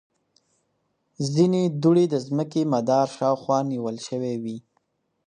ځینې دوړې د ځمکې مدار شاوخوا نیول شوې وي.